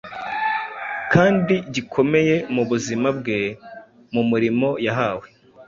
kandi gikomeye mu buzima bwe mu murimo yahawe.